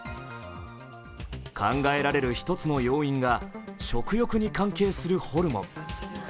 考えられる１つの要因が食欲に関係するホルモン。